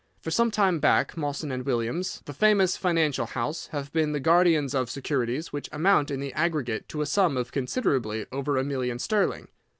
For some time back Mawson & Williams, the famous financial house, have been the guardians of securities which amount in the aggregate to a sum of considerably over a million sterling.